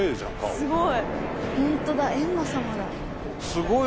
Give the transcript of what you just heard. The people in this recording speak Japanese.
すごい！